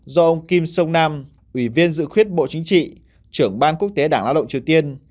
do ông kim sông nam ủy viên dự khuyết bộ chính trị trưởng ban quốc tế đảng lao động triều tiên